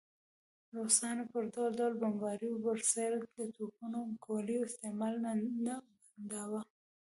روسانو پر ډول ډول بمباریو برسېره د توپونو ګولیو استعمال نه بنداوه.